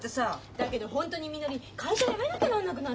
だけど本当にみのり会社辞めなきゃなんなくなるよ。